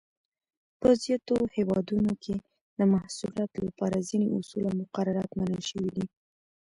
په زیاتو هېوادونو کې د محصولاتو لپاره ځینې اصول او مقررات منل شوي دي.